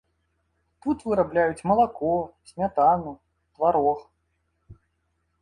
Тут вырабляюць малако, смятану, тварог.